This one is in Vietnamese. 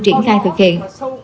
triển khai thực hiện